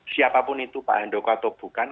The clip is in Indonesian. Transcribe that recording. siapapun itu pak handoko atau bukan